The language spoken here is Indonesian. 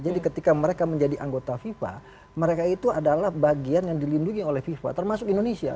jadi ketika mereka menjadi anggota fifa mereka itu adalah bagian yang dilindungi oleh fifa termasuk indonesia